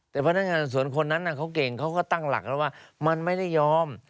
แต่พนักงานสวนคนนั้นเขาเก่งเขาก็ตั้งหลักแล้วว่ามันไม่ได้ยอม